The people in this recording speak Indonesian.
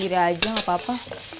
sendiri aja enggak apa apa